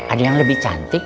ada yang lebih cantik